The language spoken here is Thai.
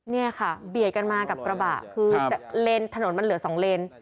นี่ค่ะเบียดกันมากับกระบะคือเลนถนนมันเหลือ๒เลน